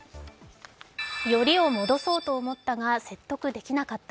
よりを戻そうと思ったが説得できなかった。